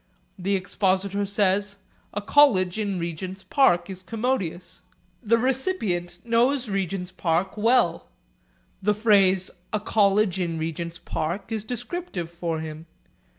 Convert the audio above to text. The expositor says, 'A college in Regent's Park is commodious.' The recipient knows Regent's Park well. The phrase 'A college in Regent's Park' is descriptive for him.